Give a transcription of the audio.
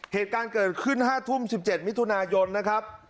เหตุการณ์เกิดขึ้น๕ทุ่ม๑๗มิถุนายนนะครับ